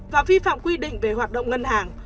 và vi phạm quy định về hoạt động ngân hàng